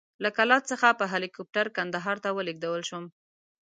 له کلات څخه په هلیکوپټر کندهار ته ولېږدول شوم.